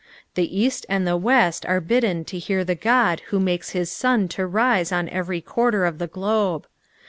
The east and the west are bidden to hear the God who makes his sun to rise on every quarter of the globe.